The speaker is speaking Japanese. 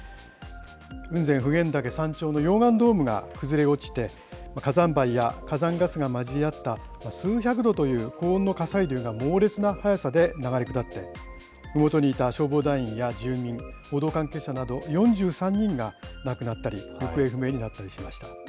雲仙・普賢岳山頂の溶岩ドームが崩れ落ちて、火山灰や火山ガスが混じり合った、数百度という高温の火砕流が猛烈な速さで流れ下って、ふもとにいた消防団員や住民、報道関係者など、４３人が亡くなったり行方不明になったりしました。